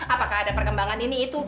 apakah ada perkembangan ini